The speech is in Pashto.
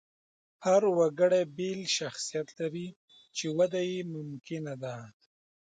هر وګړی بېل شخصیت لري، چې وده یې ممکنه ده.